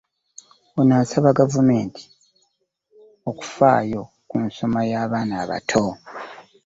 Ono asabye gavumenti okufaayo ku nsoma y'abaana abato.